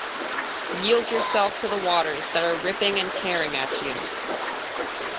Yield yourself to the waters that are ripping and tearing at you.